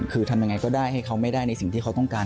คือทำยังไงก็ได้ให้เขาไม่ได้ในสิ่งที่เขาต้องการ